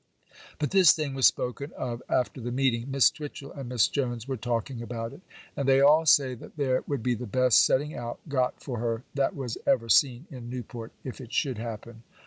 'But this thing was spoken of after the meeting. Miss Twitchel and Miss Jones were talking about it; and they all say that there would be the best setting out got for her that was ever seen in Newport, if it should happen.